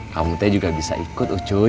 kamu teh juga bisa ikut ucu